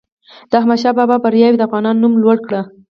د احمدشاه بابا بریاوو د افغانانو نوم لوړ کړ.